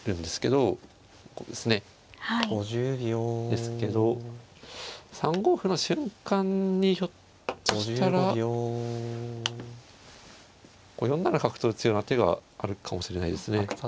ですけど３五歩の瞬間にひょっとしたら４七角と打つような手があるかもしれないですね。